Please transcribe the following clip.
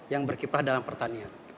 yang berkiprah dalam pertanian